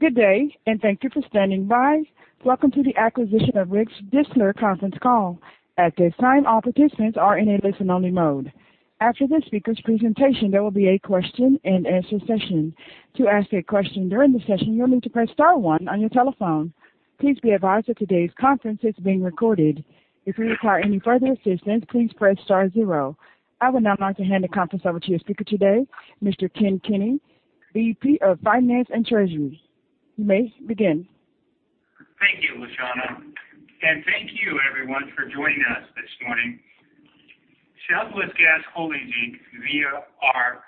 Good day, and thank you for standing by. Welcome to the acquisition of Riggs Distler conference call. At this time, all participants are in a listen-only mode. After this speaker's presentation, there will be a question-and-answer session. To ask a question during the session, you'll need to press star one on your telephone. Please be advised that today's conference is being recorded. If you require any further assistance, please press star zero. I would now like to hand the conference over to your speaker today, Mr. Ken Kenny, VP of Finance and Treasury. You may begin. Thank you, LaShawna. Thank you, everyone, for joining us this morning. Southwest Gas Holdings, via our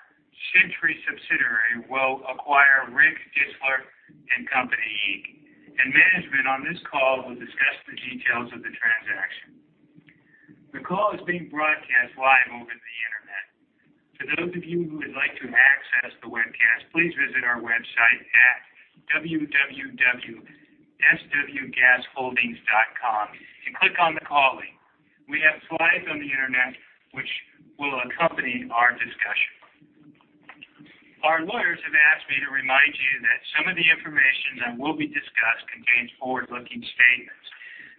Centuri subsidiary, will acquire Riggs Distler & Company, and management on this call will discuss the details of the transaction. The call is being broadcast live over the internet. For those of you who would like to access the webcast, please visit our website at www.swgasholdings.com and click on the call link. We have slides on the internet which will accompany our discussion. Our lawyers have asked me to remind you that some of the information that will be discussed contains forward-looking statements.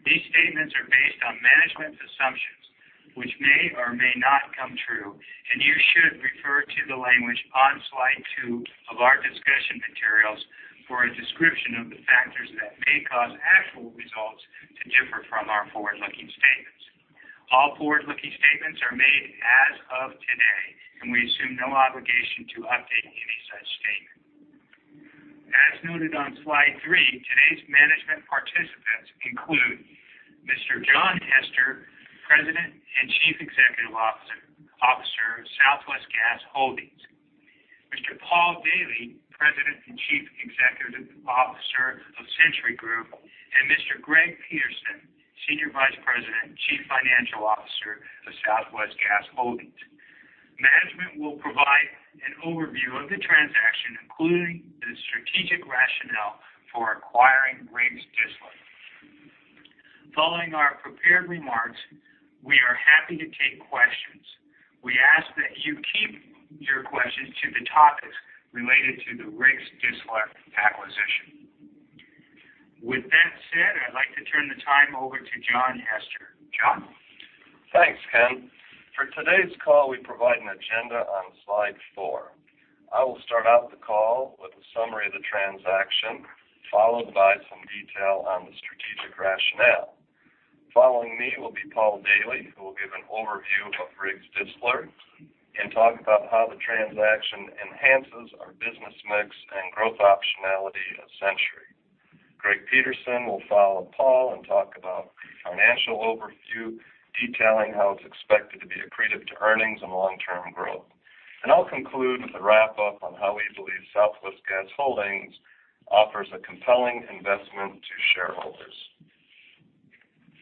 These statements are based on management's assumptions, which may or may not come true, and you should refer to the language on slide two of our discussion materials for a description of the factors that may cause actual results to differ from our forward-looking statements. All forward-looking statements are made as of today, and we assume no obligation to update any such statement. As noted on slide three, today's management participants include Mr. John Hester, President and Chief Executive Officer of Southwest Gas Holdings, Mr. Paul Daily, President and Chief Executive Officer of Centuri Group, and Mr. Greg Peterson, Senior Vice President, Chief Financial Officer of Southwest Gas Holdings. Management will provide an overview of the transaction, including the strategic rationale for acquiring Riggs Distler. Following our prepared remarks, we are happy to take questions. We ask that you keep your questions to the topics related to the Riggs Distler acquisition. With that said, I'd like to turn the time over to John Hester. John? Thanks, Ken. For today's call, we provide an agenda on slide four. I will start out the call with a summary of the transaction, followed by some detail on the strategic rationale. Following me will be Paul Daily, who will give an overview of Riggs Distler and talk about how the transaction enhances our business mix and growth optionality of Centuri. Greg Peterson will follow Paul and talk about the financial overview, detailing how it's expected to be accretive to earnings and long-term growth. I will conclude with a wrap-up on how easily Southwest Gas Holdings offers a compelling investment to shareholders.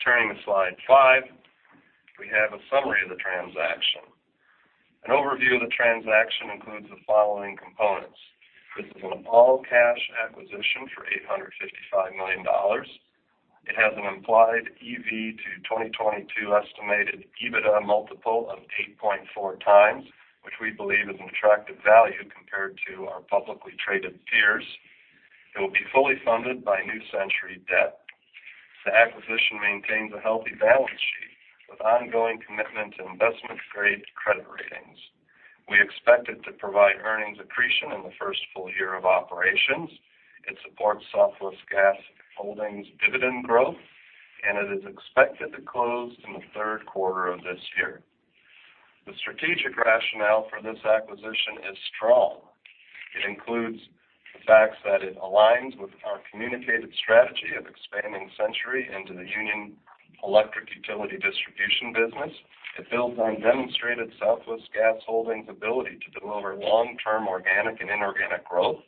Turning to slide five, we have a summary of the transaction. An overview of the transaction includes the following components. This is an all-cash acquisition for $855 million. It has an implied EV to 2022 estimated EBITDA multiple of 8.4x, which we believe is an attractive value compared to our publicly traded peers. It will be fully funded by new Centuri debt. The acquisition maintains a healthy balance sheet with ongoing commitment to investment-grade credit ratings. We expect it to provide earnings accretion in the first full year of operations. It supports Southwest Gas Holdings' dividend growth, and it is expected to close in the third quarter of this year. The strategic rationale for this acquisition is strong. It includes the facts that it aligns with our communicated strategy of expanding Centuri into the union electric utility distribution business. It builds on demonstrated Southwest Gas Holdings' ability to deliver long-term organic and inorganic growth.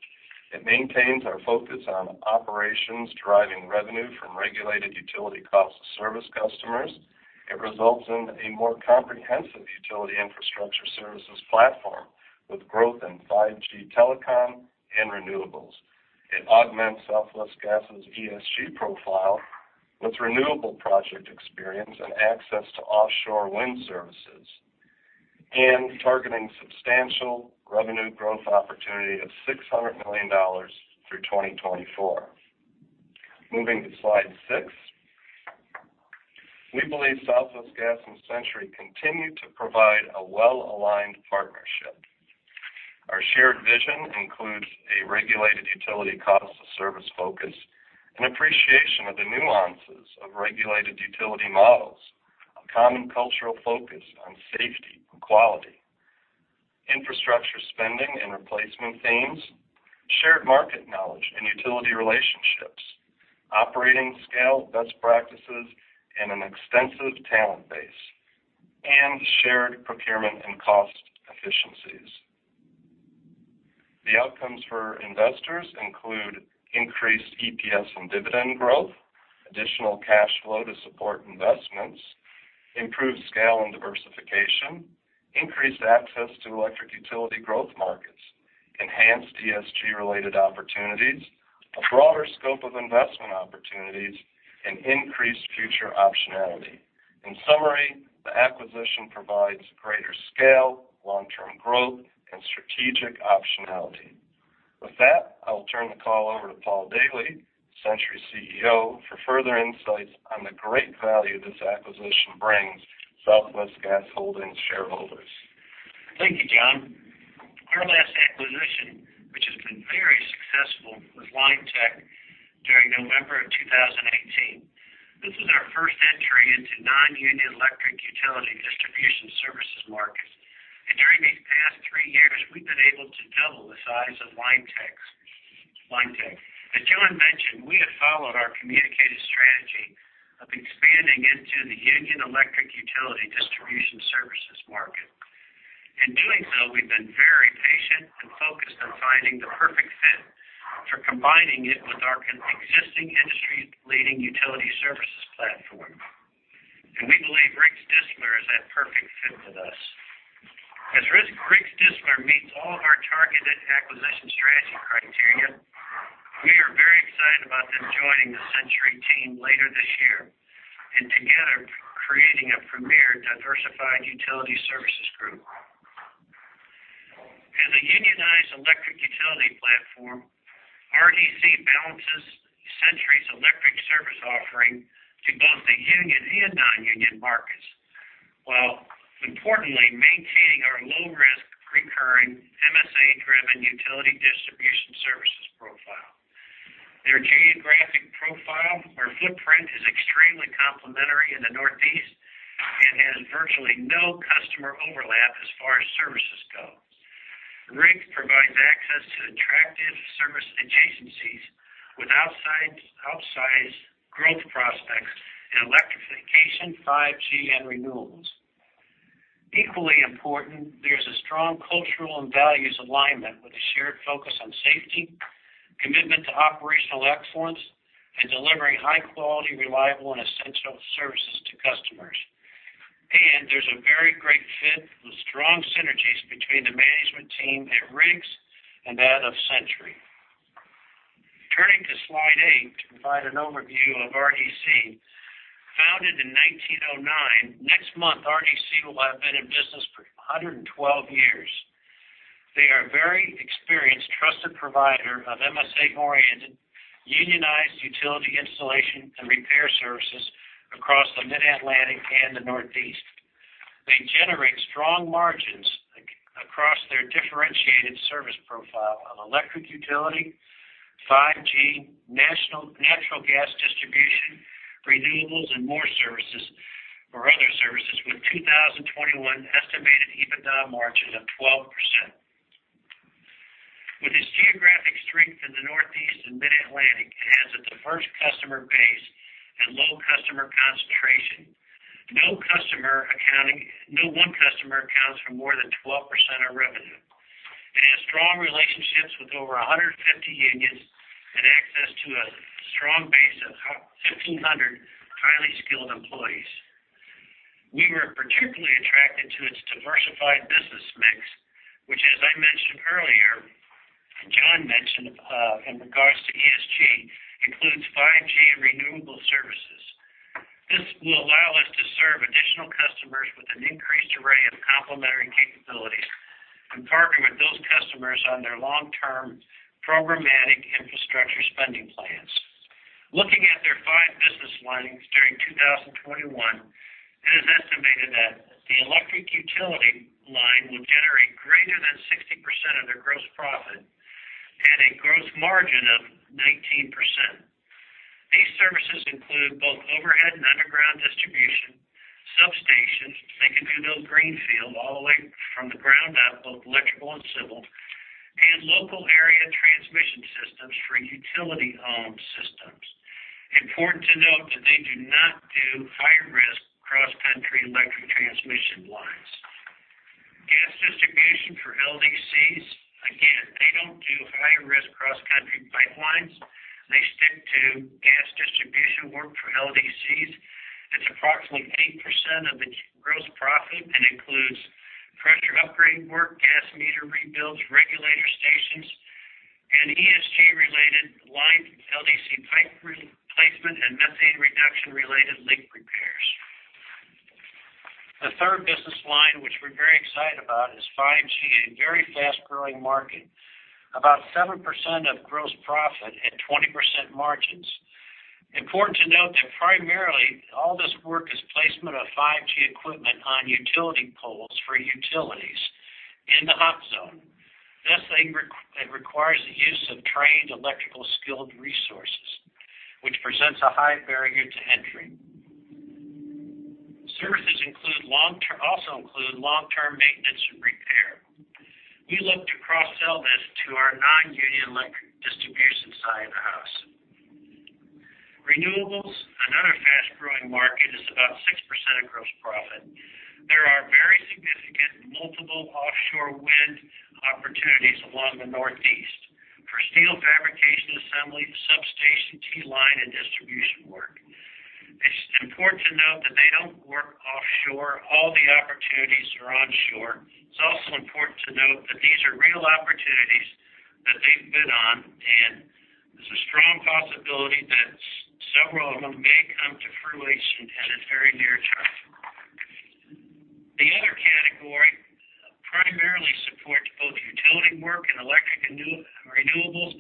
It maintains our focus on operations driving revenue from regulated utility cost-of-service customers. It results in a more comprehensive utility infrastructure services platform with growth in 5G telecom and renewables. It augments Southwest Gas's ESG profile with renewable project experience and access to offshore wind services, and targeting substantial revenue growth opportunity of $600 million through 2024. Moving to slide six, we believe Southwest Gas and Centuri continue to provide a well-aligned partnership. Our shared vision includes a regulated utility cost-of-service focus, an appreciation of the nuances of regulated utility models, a common cultural focus on safety and quality, infrastructure spending and replacement themes, shared market knowledge and utility relationships, operating scale best practices, and an extensive talent base, and shared procurement and cost efficiencies. The outcomes for investors include increased EPS and dividend growth, additional cash flow to support investments, improved scale and diversification, increased access to electric utility growth markets, enhanced ESG-related opportunities, a broader scope of investment opportunities, and increased future optionality. In summary, the acquisition provides greater scale, long-term growth, and strategic optionality. With that, I will turn the call over to Paul Daily, Centuri CEO, for further insights on the great value this acquisition brings Southwest Gas Holdings shareholders. Thank you, John. Our last acquisition, which has been very successful, was Linetec during November of 2018. This was our first entry into non-union electric utility distribution services markets. During these past three years, we've been able to double the size of Linetec. As John mentioned, we have followed our communicated strategy of expanding into the union electric utility distribution services market. In doing so, we've been very patient and focused on finding the perfect fit for combining it with our existing industry-leading utility services platform. We believe Riggs Distler is that perfect fit with us. As Riggs Distler meets all of our targeted acquisition strategy criteria, we are very excited about them joining the Centuri team later this year and together creating a premier diversified utility services group. As a unionized electric utility platform, RDC balances Centuri's electric service offering to both the union and non-union markets while, importantly, maintaining our low-risk, recurring, MSA-driven utility distribution services profile. Their geographic profile, or footprint, is extremely complementary in the Northeast and has virtually no customer overlap as far as services go. Riggs provides access to attractive service adjacencies with outsized growth prospects in electrification, 5G, and renewables. Equally important, there is a strong cultural and values alignment with a shared focus on safety, commitment to operational excellence, and delivering high-quality, reliable, and essential services to customers. There is a very great fit with strong synergies between the management team at Riggs and that of Centuri. Turning to slide eight to provide an overview of RDC, founded in 1909, next month RDC will have been in business for 112 years. They are a very experienced, trusted provider of MSA-oriented, unionized utility installation and repair services across the Mid-Atlantic and the Northeast. They generate strong margins across their differentiated service profile of electric utility, 5G, natural gas distribution, renewables, and more services for other services with 2021 estimated EBITDA margin of 12%. With its geographic strength in the Northeast and Mid-Atlantic, it has a diverse customer base and low customer concentration. No one customer accounts for more than 12% of revenue. It has strong relationships with over 150 unions and access to a strong base of 1,500 highly skilled employees. We were particularly attracted to its diversified business mix, which, as I mentioned earlier, and John mentioned in regards to ESG, includes 5G and renewable services. This will allow us to serve additional customers with an increased array of complementary capabilities and partner with those customers on their long-term programmatic infrastructure spending plans. Looking at their five business lines during 2021, it is estimated that the electric utility line will generate greater than 60% of their gross profit and a gross margin of 19%. These services include both overhead and underground distribution, substations—they can do the greenfield all the way from the ground up, both electrical and civil—and local area transmission systems for utility-owned systems. Important to note that they do not do high-risk cross-country electric transmission lines. Gas distribution for LDCs, again, they do not do high-risk cross-country pipelines. They stick to gas distribution work for LDCs. It is approximately 8% of the gross profit and includes pressure upgrade work, gas meter rebuilds, regulator stations, and ESG-related line LDC pipe replacement and methane reduction-related link repairs. The third business line, which we're very excited about, is 5G, a very fast-growing market, about 7% of gross profit at 20% margins. Important to note that primarily all this work is placement of 5G equipment on utility poles for utilities in the hot zone. Thus, it requires the use of trained, electrical-skilled resources, which presents a high barrier to entry. Services also include long-term maintenance and repair. We look to cross-sell this to our non-union electric distribution side of the house. Renewables, another fast-growing market, is about 6% of gross profit. There are very significant multiple offshore wind opportunities along the Northeast for steel fabrication, assembly, substation, T-line, and distribution work. It's important to note that they don't work offshore. All the opportunities are onshore. It's also important to note that these are real opportunities that they've been on, and there's a strong possibility that several of them may come to fruition at a very near term. The other category primarily supports both utility work and electric renewables,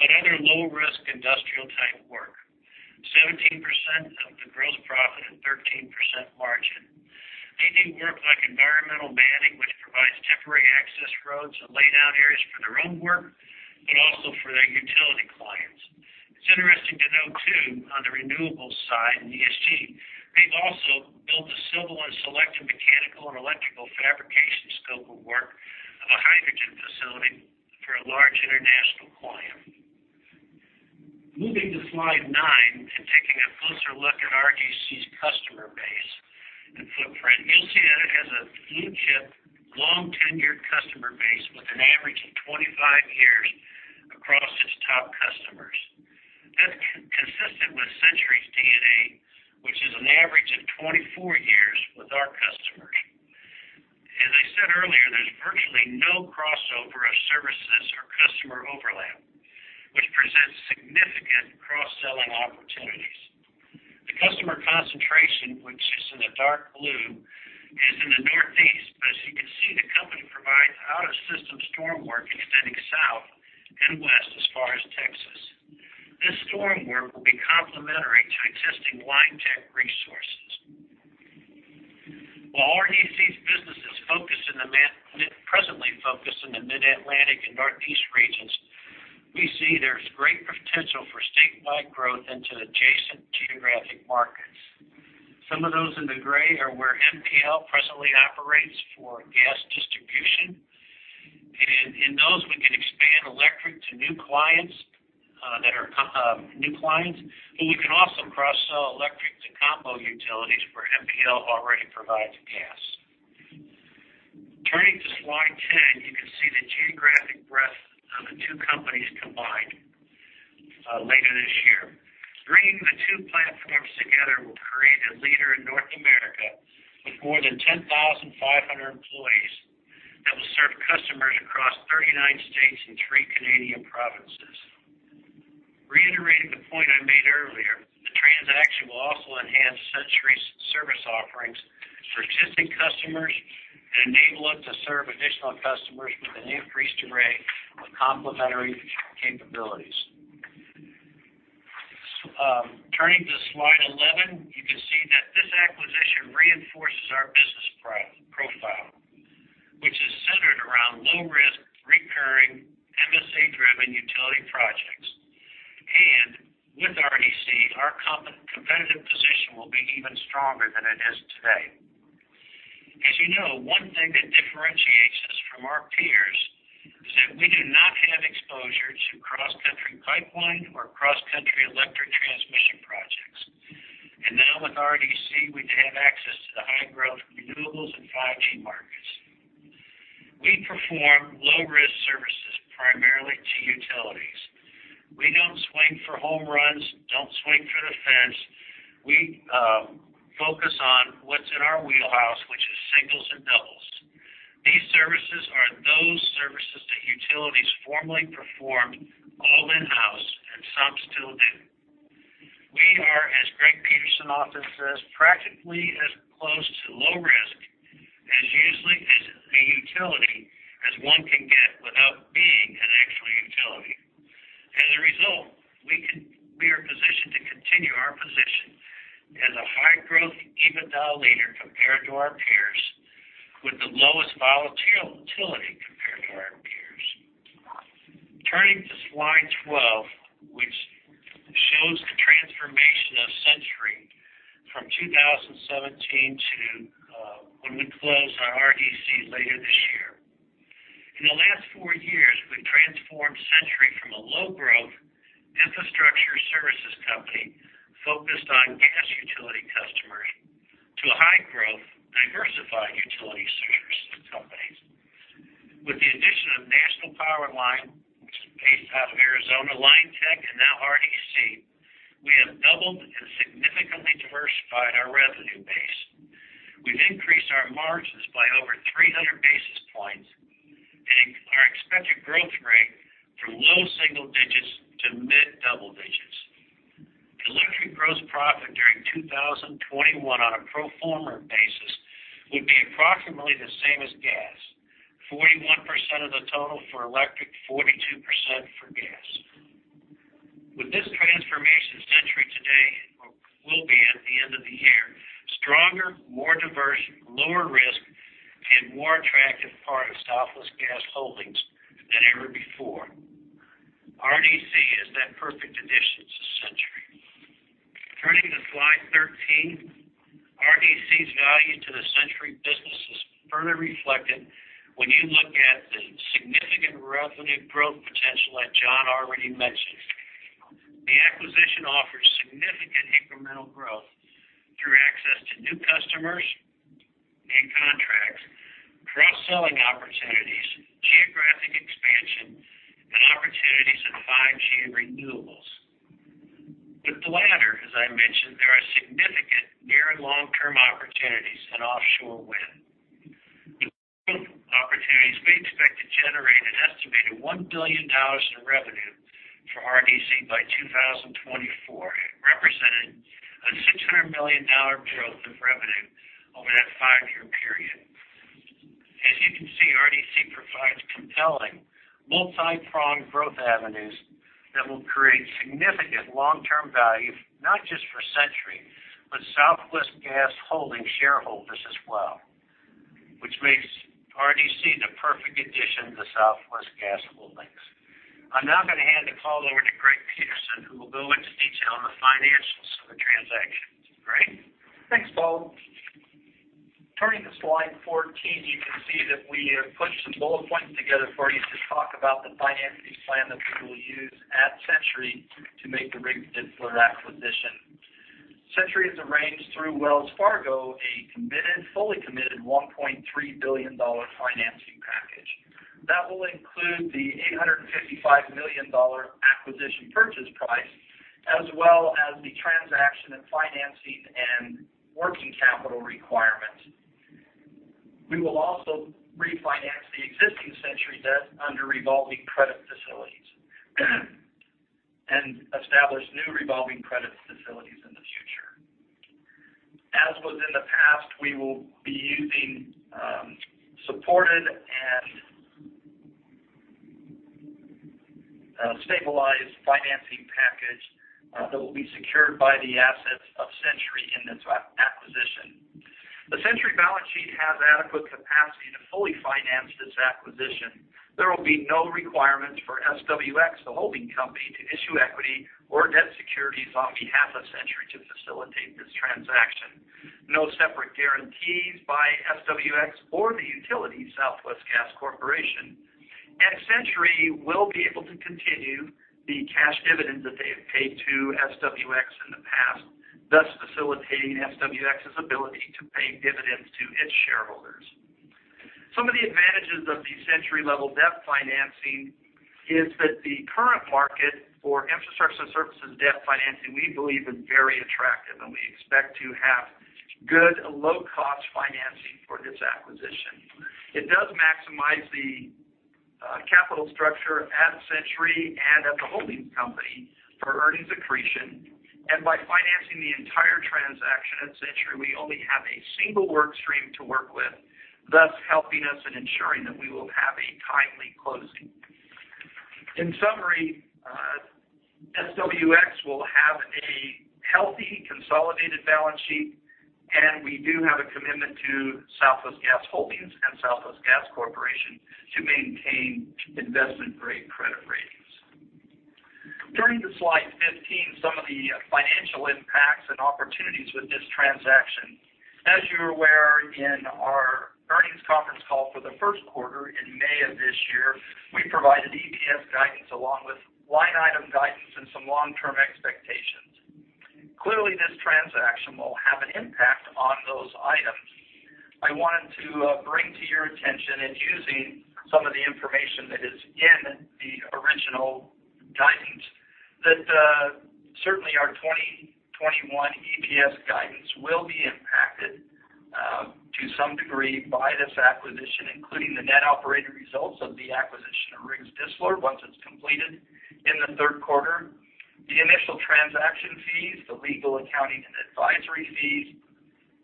but other low-risk industrial-type work, 17% of the gross profit and 13% margin. They do work like environmental manning, which provides temporary access roads and lay down areas for their own work, but also for their utility clients. It's interesting to note, too, on the renewables side in ESG, they've also built a civil and selective mechanical and electrical fabrication scope of work of a hydrogen facility for a large international client. Moving to slide nine and taking a closer look at RDC's customer base and footprint, you'll see that it has a blue-chip, long-tenured customer base with an average of 25 years across its top customers. That's consistent with Centuri's DNA, which is an average of 24 years with our customers. As I said earlier, there's virtually no crossover of services or customer overlap, which presents significant cross-selling opportunities. The customer concentration, which is in the dark blue, is in the Northeast, but as you can see, the company provides out-of-system storm work extending south and west as far as Texas. This storm work will be complementary to existing Linetec resources. While RDC's businesses presently focus in the Mid-Atlantic and Northeast regions, we see there's great potential for statewide growth into adjacent geographic markets. Some of those in the gray are where NPL presently operates for gas distribution. In those, we can expand electric to new clients that are new clients, but we can also cross-sell electric to combo utilities where NPL already provides gas. Turning to slide 10, you can see the geographic breadth of the two companies combined later this year. Bringing the two platforms together will create a leader in North America with more than 10,500 employees that will serve customers across 39 states and three Canadian provinces. Reiterating the point I made earlier, the transaction will also enhance Centuri's service offerings for existing customers and enable it to serve additional customers with an increased array of complementary capabilities. Turning to slide 11, you can see that this acquisition reinforces our business profile, which is centered around low-risk, recurring, MSA-driven utility projects. With RDC, our competitive position will be even stronger than it is today. As you know, one thing that differentiates us from our peers is that we do not have exposure to cross-country pipeline or cross-country electric transmission projects. Now with RDC, we have access to the high-growth renewables and 5G markets. We perform low-risk services primarily to utilities. We do not swing for home runs, do not swing for the fence. We focus on what is in our wheelhouse, which is singles and doubles. These services are those services that utilities formerly performed all in-house and some still do. We are, as Greg Peterson often says, practically as close to low risk as a utility as one can get without being an actual utility. As a result, we are positioned to continue our position as a high-growth EBITDA leader compared to our peers, with the lowest volatility compared to our peers. Turning to slide 12, which shows the transformation of Centuri from 2017 to when we close our RDC later this year. In the last four years, we've transformed Centuri from a low-growth infrastructure services company focused on gas utility customers to a high-growth, diversified utility services company. With the addition of National Power Line, which is based out of Arizona, Linetec, and now RDC, we have doubled and significantly diversified our revenue base. We've increased our margins by over 300 basis points and our expected growth rate from low single digits to mid-double digits. Electric gross profit during 2021 on a pro forma basis would be approximately the same as gas: 41% of the total for electric, 42% for gas. With this transformation, Centuri today will be, at the end of the year, stronger, more diverse, lower risk, and more attractive part of Southwest Gas Holdings than ever before. RDC is that perfect addition to Centuri. Turning to slide 13, RDC's value to the Centuri business is further reflected when you look at the significant revenue growth potential that John already mentioned. The acquisition offers significant incremental growth through access to new customers and contracts, cross-selling opportunities, geographic expansion, and opportunities in 5G and renewables. With the latter, as I mentioned, there are significant near and long-term opportunities in offshore wind. The growth opportunities we expect to generate an estimated $1 billion in revenue for RDC by 2024, representing a $600 million growth of revenue over that five-year period. As you can see, RDC provides compelling multi-pronged growth avenues that will create significant long-term value, not just for Centuri, but Southwest Gas Holdings shareholders as well, which makes RDC the perfect addition to Southwest Gas Holdings. I'm now going to hand the call over to Greg Peterson, who will go into detail on the financials of the transaction. Greg? Thanks, Paul. Turning to slide 14, you can see that we have put some bullet points together for you to talk about the financing plan that we will use at Centuri to make the Riggs Distler acquisition. Centuri has arranged through Wells Fargo a fully committed $1.3 billion financing package. That will include the $855 million acquisition purchase price, as well as the transaction and financing and working capital requirements. We will also refinance the existing Centuri debt under revolving credit facilities and establish new revolving credit facilities in the future. As was in the past, we will be using supported and stabilized financing package that will be secured by the assets of Centuri in this acquisition. The Centuri balance sheet has adequate capacity to fully finance this acquisition. There will be no requirements for SWX, the holding company, to issue equity or debt securities on behalf of Centuri to facilitate this transaction. No separate guarantees by SWX or the utility Southwest Gas Corporation. Centuri will be able to continue the cash dividends that they have paid to SWX in the past, thus facilitating SWX's ability to pay dividends to its shareholders. Some of the advantages of the Centuri-level debt financing is that the current market for infrastructure services debt financing, we believe, is very attractive, and we expect to have good, low-cost financing for this acquisition. It does maximize the capital structure at Centuri and at the holding company for earnings accretion. By financing the entire transaction at Centuri, we only have a single workstream to work with, thus helping us in ensuring that we will have a timely closing. In summary, SWX will have a healthy, consolidated balance sheet, and we do have a commitment to Southwest Gas Holdings and Southwest Gas Corporation to maintain investment-grade credit ratings. Turning to slide 15, some of the financial impacts and opportunities with this transaction. As you're aware, in our earnings conference call for the first quarter in May of this year, we provided EPS guidance along with line item guidance and some long-term expectations. Clearly, this transaction will have an impact on those items. I wanted to bring to your attention, and using some of the information that is in the original guidance, that certainly our 2021 EPS guidance will be impacted to some degree by this acquisition, including the net operating results of the acquisition of Riggs Distler once it's completed in the third quarter, the initial transaction fees, the legal, accounting, and advisory fees,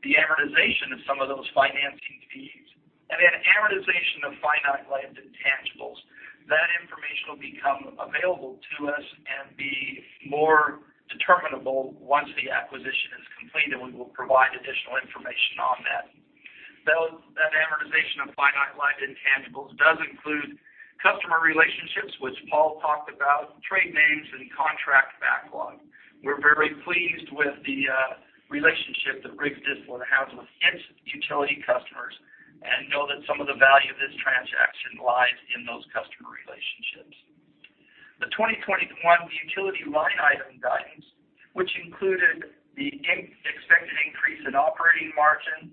the amortization of some of those financing fees, and then amortization of finite life intangibles. That information will become available to us and be more determinable once the acquisition is completed, and we will provide additional information on that. That amortization of finite life intangibles does include customer relationships, which Paul talked about, trade names, and contract backlog. We're very pleased with the relationship that Riggs Distler has with its utility customers and know that some of the value of this transaction lies in those customer relationships. The 2021 utility line item guidance, which included the expected increase in operating margin,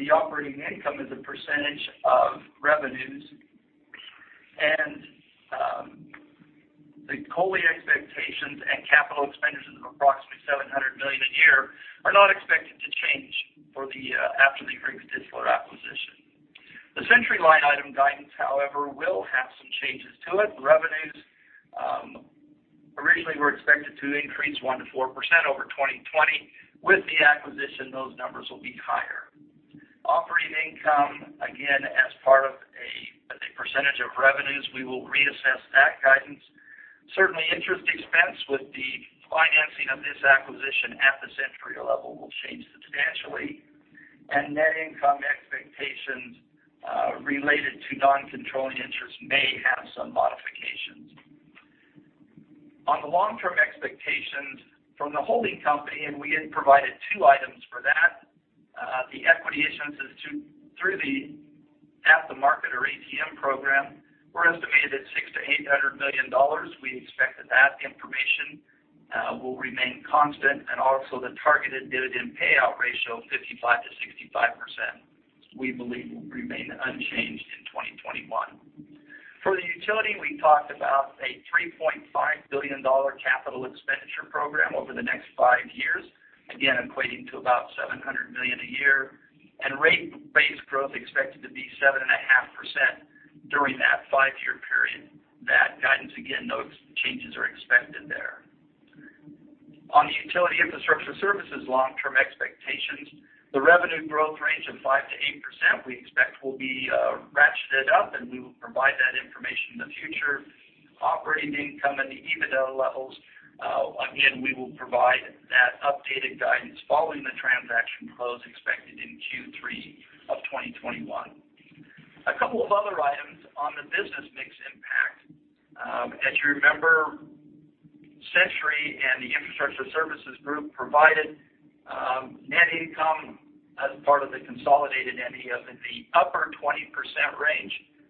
the operating income as a percentage of revenues, and the COLI expectations and capital expenditures of approximately $700 million a year are not expected to change after the Riggs Distler acquisition. The Centuri line item guidance, however, will have some changes to it. Revenues originally were expected to increase 1%-4% over 2020. With the acquisition, those numbers will be higher. Operating income, again, as part of a percentage of revenues, we will reassess that guidance. Certainly, interest expense with the financing of this acquisition at the Centuri level will change substantially. Net income expectations related to non-controlling interest may have some modifications. On the long-term expectations from the holding company, and we had provided two items for that. The equity issuances through the after-market or ATM program were estimated at $600 million-$800 million. We expect that that information will remain constant. Also, the targeted dividend payout ratio of 55%-65% we believe will remain unchanged in 2021. For the utility, we talked about a $3.5 billion capital expenditure program over the next five years, again, equating to about $700 million a year. Rate-based growth expected to be 7.5% during that five-year period. That guidance, again, no changes are expected there. On the utility infrastructure services long-term expectations, the revenue growth range of 5%-8% we expect will be ratcheted up, and we will provide that information in the future. Operating income and the EBITDA levels, again, we will provide that updated guidance following the transaction close expected in Q3 of 2021. A couple of other items on the business mix impact. As you remember, Centuri and the infrastructure services group provided net income as part of the consolidated NEF in the upper 20% range.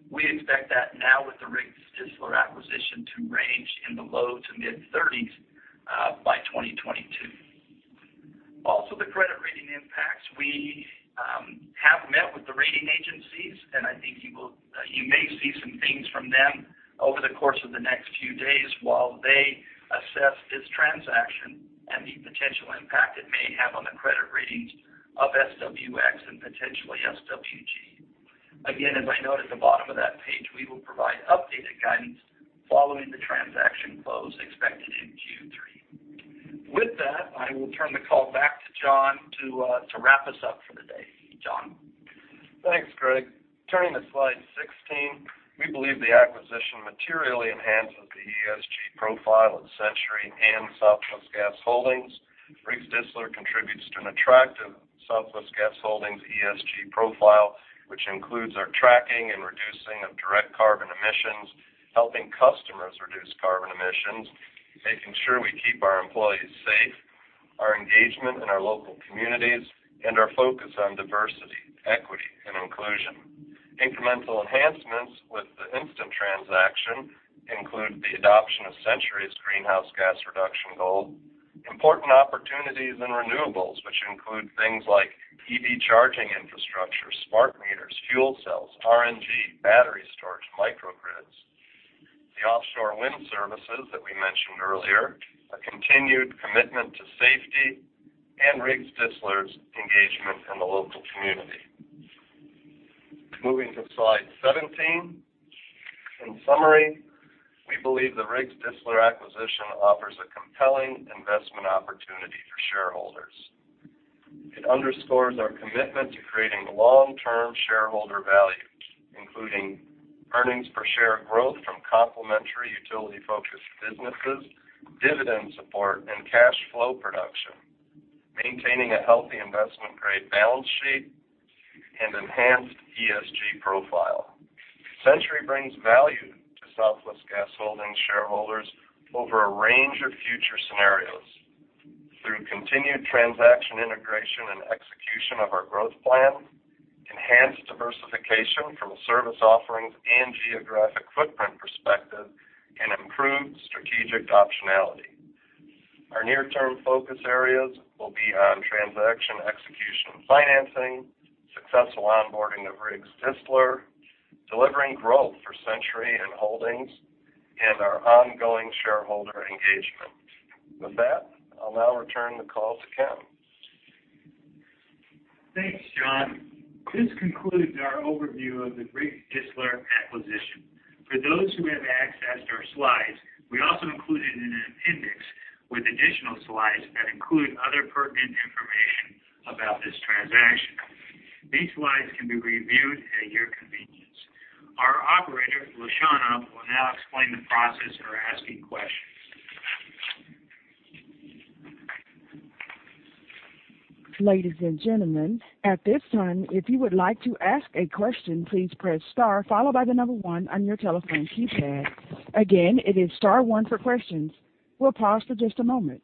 We expect that now with the Riggs Distler acquisition to range in the low to mid 30% by 2022. Also, the credit rating impacts we have met with the rating agencies, and I think you may see some things from them over the course of the next few days while they assess this transaction and the potential impact it may have on the credit ratings of SWX and potentially SWG. Again, as I noted at the bottom of that page, we will provide updated guidance following the transaction close expected in Q3. With that, I will turn the call back to John to wrap us up for the day. John? Thanks, Greg. Turning to slide 16, we believe the acquisition materially enhances the ESG profile of Centuri and Southwest Gas Holdings. Riggs Distler contributes to an attractive Southwest Gas Holdings ESG profile, which includes our tracking and reducing of direct carbon emissions, helping customers reduce carbon emissions, making sure we keep our employees safe, our engagement in our local communities, and our focus on diversity, equity, and inclusion. Incremental enhancements with the instant transaction include the adoption of Centuri's greenhouse gas reduction goal, important opportunities in renewables, which include things like EV charging infrastructure, smart meters, fuel cells, RNG, battery storage, microgrids, the offshore wind services that we mentioned earlier, a continued commitment to safety, and Riggs Distler's engagement in the local community. Moving to slide 17. In summary, we believe the Riggs Distler acquisition offers a compelling investment opportunity for shareholders. It underscores our commitment to creating long-term shareholder value, including earnings per share growth from complementary utility-focused businesses, dividend support, and cash flow production, maintaining a healthy investment-grade balance sheet and enhanced ESG profile. Centuri brings value to Southwest Gas Holdings shareholders over a range of future scenarios through continued transaction integration and execution of our growth plan, enhanced diversification from a service offerings and geographic footprint perspective, and improved strategic optionality. Our near-term focus areas will be on transaction execution and financing, successful onboarding of Riggs Distler, delivering growth for Centuri and Holdings, and our ongoing shareholder engagement. With that, I'll now return the call to Ken. Thanks, John. This concludes our overview of the Riggs Distler acquisition. For those who have accessed our slides, we also included an appendix with additional slides that include other pertinent information about this transaction. These slides can be reviewed at your convenience. Our operator, LaShawna, will now explain the process for asking questions. Ladies and gentlemen, at this time, if you would like to ask a question, please press star followed by the number one on your telephone keypad. Again, it is star one for questions. We'll pause for just a moment.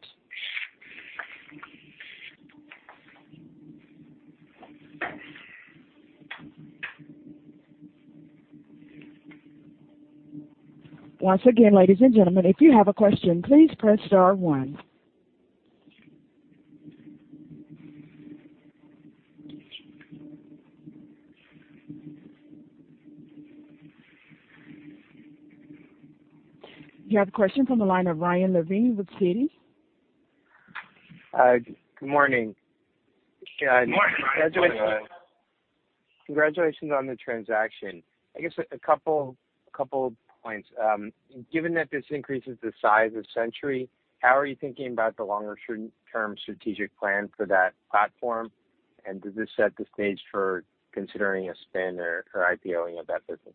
Once again, ladies and gentlemen, if you have a question, please press star one. You have a question from the line of Ryan Levine with Citi. Good morning. Good morning. Congratulations on the transaction. I guess a couple points. Given that this increases the size of Centuri, how are you thinking about the longer-term strategic plan for that platform? Does this set the stage for considering a spin or IPOing of that business?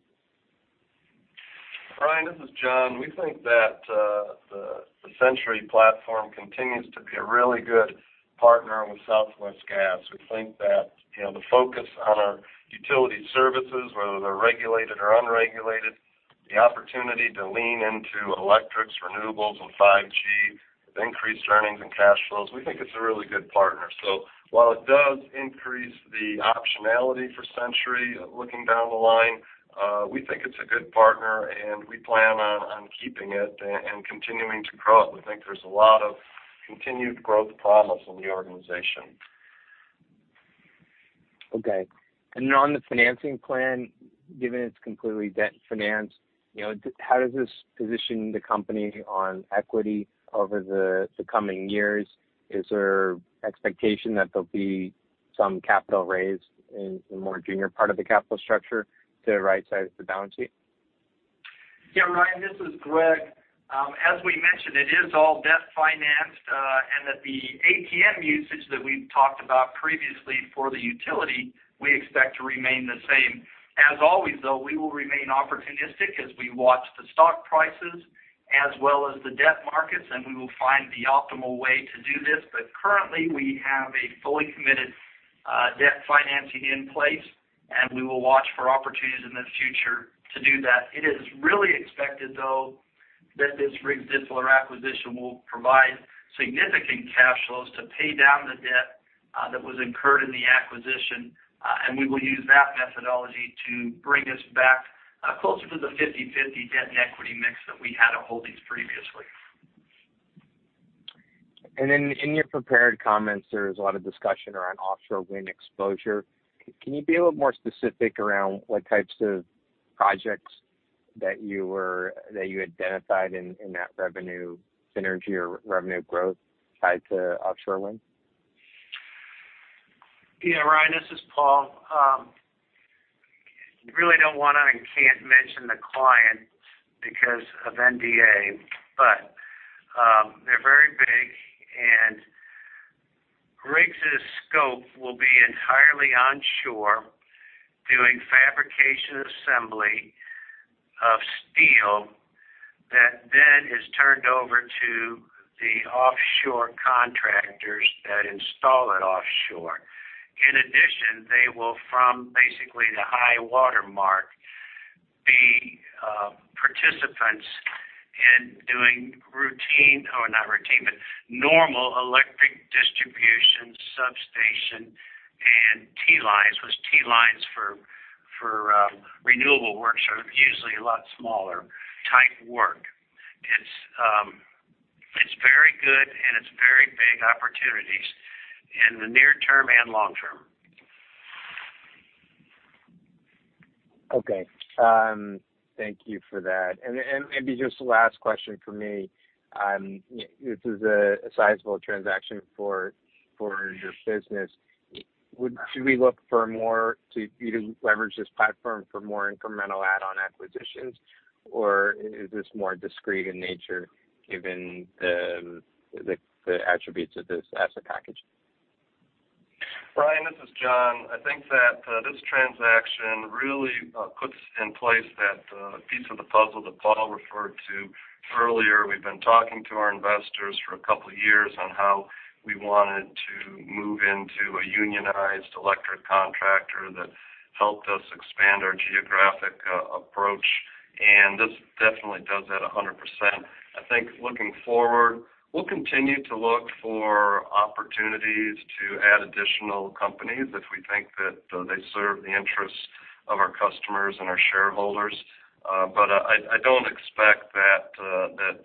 Ryan, this is John. We think that the Centuri platform continues to be a really good partner with Southwest Gas. We think that the focus on our utility services, whether they're regulated or unregulated, the opportunity to lean into electrics, renewables, and 5G with increased earnings and cash flows, we think it's a really good partner. While it does increase the optionality for Centuri looking down the line, we think it's a good partner, and we plan on keeping it and continuing to grow it. We think there's a lot of continued growth promise in the organization. Okay. On the financing plan, given it's completely debt financed, how does this position the company on equity over the coming years? Is there an expectation that there'll be some capital raised in the more junior part of the capital structure to right-size the balance sheet? Yeah, Ryan, this is Greg. As we mentioned, it is all debt financed, and the ATM usage that we've talked about previously for the utility, we expect to remain the same. As always, though, we will remain opportunistic as we watch the stock prices as well as the debt markets, and we will find the optimal way to do this. Currently, we have a fully committed debt financing in place, and we will watch for opportunities in the future to do that. It is really expected, though, that this Riggs Distler acquisition will provide significant cash flows to pay down the debt that was incurred in the acquisition, and we will use that methodology to bring us back closer to the 50/50 debt and equity mix that we had at holdings previously. In your prepared comments, there was a lot of discussion around offshore wind exposure. Can you be a little more specific around what types of projects that you identified in that revenue synergy or revenue growth tied to offshore wind? Yeah, Ryan, this is Paul. I really don't want to and can't mention the client because of NDA, but they're very big, and Riggs' scope will be entirely onshore, doing fabrication assembly of steel that then is turned over to the offshore contractors that install it offshore. In addition, they will, from basically the high watermark, be participants in doing routine—or not routine, but normal electric distribution substation and T-lines, which T-lines for renewable works are usually a lot smaller. Type work. It's very good, and it's very big opportunities in the near term and long term. Okay. Thank you for that. Maybe just the last question for me. This is a sizable transaction for your business. Should we look for more to leverage this platform for more incremental add-on acquisitions, or is this more discreet in nature given the attributes of this asset package? Ryan, this is John. I think that this transaction really puts in place that piece of the puzzle that Paul referred to earlier. We've been talking to our investors for a couple of years on how we wanted to move into a unionized electric contractor that helped us expand our geographic approach, and this definitely does that 100%. I think looking forward, we'll continue to look for opportunities to add additional companies if we think that they serve the interests of our customers and our shareholders. I don't expect that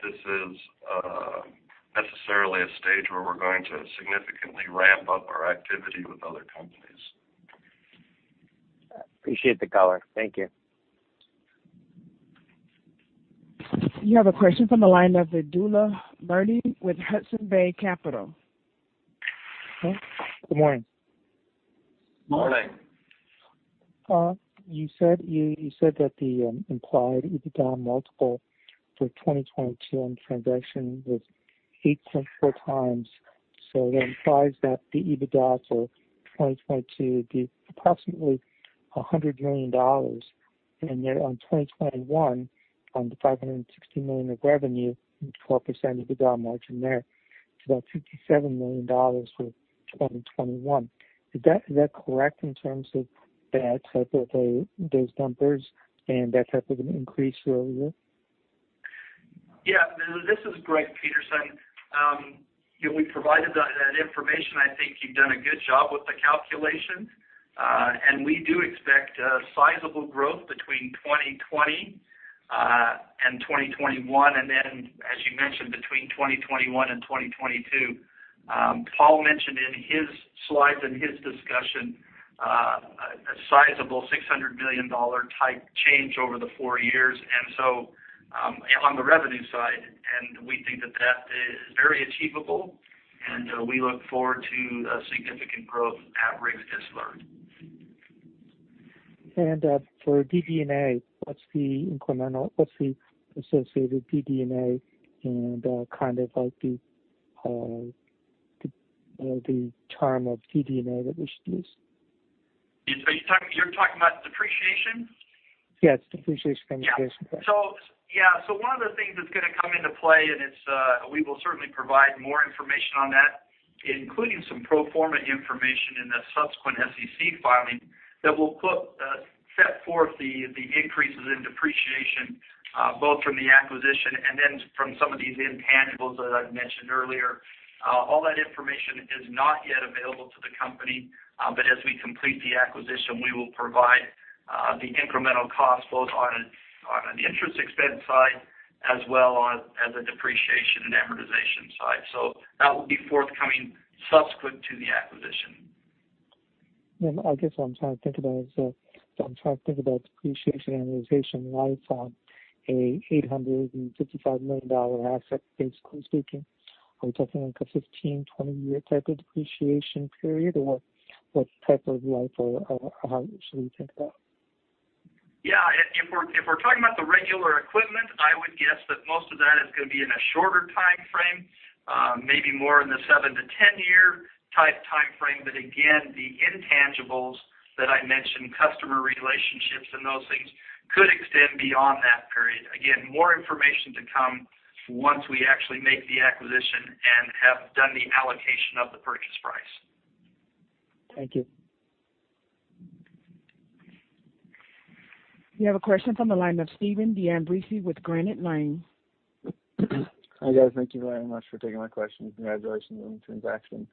this is necessarily a stage where we're going to significantly ramp up our activity with other companies. Appreciate the color. Thank you. You have a question from the line of Vedula Murti with Hudson Bay Capital. Okay. Good morning. Morning. You said that the implied EBITDA multiple for 2022 on the transaction was 8.4x. That implies that the EBITDA for 2022 would be approximately $100 million. On 2021, on the $560 million of revenue, 12% EBITDA margin there, it is about $57 million for 2021. Is that correct in terms of that type of those numbers and that type of an increase earlier? Yeah. This is Greg Peterson. We provided that information. I think you have done a good job with the calculations, and we do expect sizable growth between 2020 and 2021, and, as you mentioned, between 2021 and 2022. Paul mentioned in his slides and his discussion a sizable $600 million type change over the four years on the revenue side, and we think that that is very achievable, and we look forward to significant growth at Riggs Distler. For DD&A, what's the incremental? What's the associated DD&A and kind of the term of DD&A that we should use? You're talking about depreciation? Yes. Depreciation compensation. Yeah. One of the things that's going to come into play, and we will certainly provide more information on that, including some pro forma information in the subsequent SEC filing, that will set forth the increases in depreciation both from the acquisition and then from some of these intangibles that I've mentioned earlier. All that information is not yet available to the company, but as we complete the acquisition, we will provide the incremental costs both on an interest expense side as well as a depreciation and amortization side. That will be forthcoming subsequent to the acquisition. I guess what I'm trying to think about is I'm trying to think about depreciation amortization life on an $855 million asset, basically speaking. Are we talking like a 15-20 year type of depreciation period, or what type of life or how should we think about? Yeah. If we're talking about the regular equipment, I would guess that most of that is going to be in a shorter time frame, maybe more in the 7-10 year type time frame. Again, the intangibles that I mentioned, customer relationships and those things, could extend beyond that period. Again, more information to come once we actually make the acquisition and have done the allocation of the purchase price. Thank you. You have a question from the line of Stephen D'Ambrisi with Granite Lane. Hi guys. Thank you very much for taking my question. Congratulations on the transaction.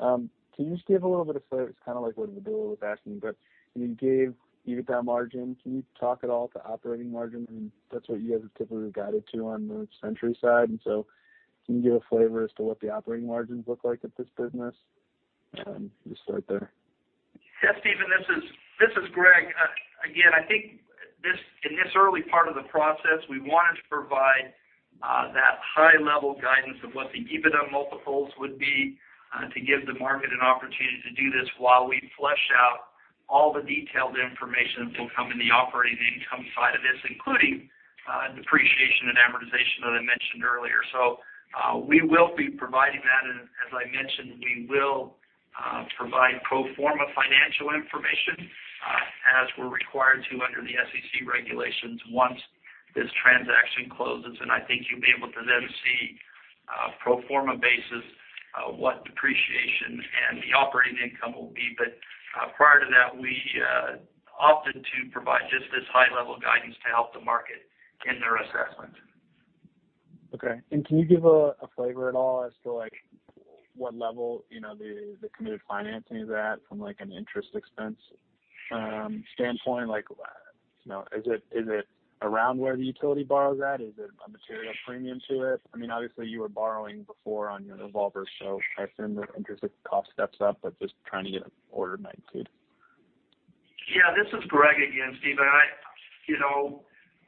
Can you just give a little bit of flavor? It's kind of like what Vedula was asking, but you gave EBITDA margin. Can you talk at all to operating margin? I mean, that's what you guys have typically guided to on the Centuri side. And so can you give a flavor as to what the operating margins look like at this business? Just start there. Yeah, Stephen, this is Greg. Again, I think in this early part of the process, we wanted to provide that high-level guidance of what the EBITDA multiples would be to give the market an opportunity to do this while we flush out all the detailed information that will come in the operating income side of this, including depreciation and amortization that I mentioned earlier. We will be providing that, and as I mentioned, we will provide pro forma financial information as we're required to under the SEC regulations once this transaction closes. I think you'll be able to then see pro forma basis what depreciation and the operating income will be. Prior to that, we opted to provide just this high-level guidance to help the market in their assessment. Okay. Can you give a flavor at all as to what level the committed financing is at from an interest expense standpoint? Is it around where the utility borrows at? Is there a material premium to it? I mean, obviously, you were borrowing before on your revolver, so I assume the interest cost steps up, but just trying to get an order of magnitude. Yeah. This is Greg again, Stephen.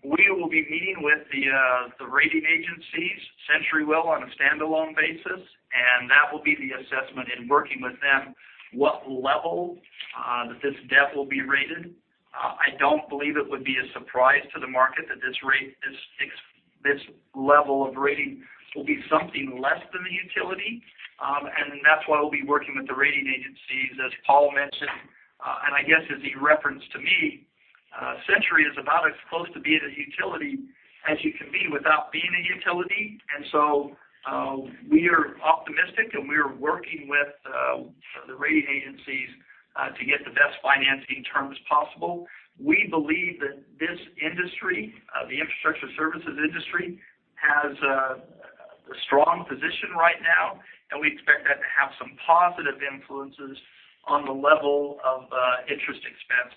We will be meeting with the rating agencies, Centuri will, on a standalone basis, and that will be the assessment in working with them what level that this debt will be rated. I do not believe it would be a surprise to the market that this level of rating will be something less than the utility, and that is why we will be working with the rating agencies, as Paul mentioned. I guess as he referenced to me, Centuri is about as close to being a utility as you can be without being a utility. We are optimistic, and we are working with the rating agencies to get the best financing terms possible. We believe that this industry, the infrastructure services industry, has a strong position right now, and we expect that to have some positive influences on the level of interest expense.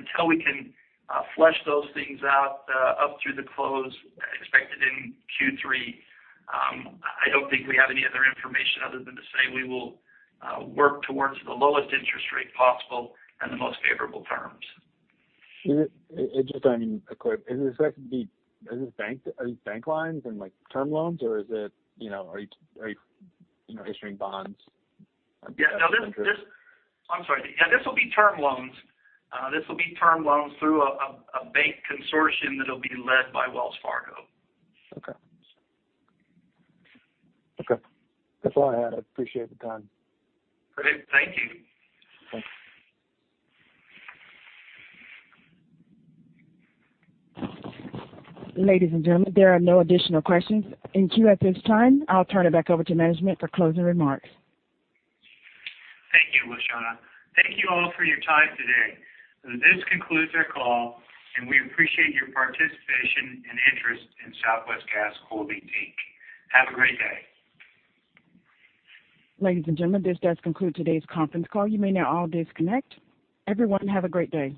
Until we can flush those things out up through the close, expected in Q3, I do not think we have any other information other than to say we will work towards the lowest interest rate possible and the most favorable terms. Just so I am clear, is this bank lines and term loans, or are you issuing bonds? Yeah. I am sorry. Yeah. This will be term loans. This will be term loans through a bank consortium that will be led by Wells Fargo. Okay. Okay. That is all I had. I appreciate the time. Great. Thank you. Thanks. Ladies and gentlemen, there are no additional questions in queue at this time, I'll turn it back over to management for closing remarks. Thank you, LaShawna. Thank you all for your time today. This concludes our call, and we appreciate your participation and interest in Southwest Gas Holdings. Have a great day. Ladies and gentlemen, this does conclude today's conference call. You may now all disconnect. Everyone, have a great day.